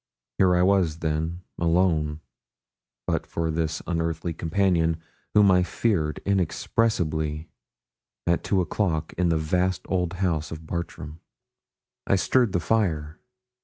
Here was I then alone, but for this unearthly companion, whom I feared inexpressibly, at two o'clock, in the vast old house of Bartram. I stirred the fire.